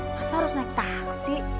masa harus naik taksi